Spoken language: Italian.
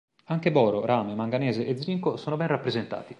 Anche boro, rame, manganese e zinco sono ben rappresentati.